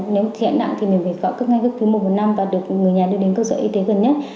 nếu thiện nặng thì mình phải gọi cấp ngay cấp cứ một một năm và được người nhà đưa đến cơ sở y tế gần nhất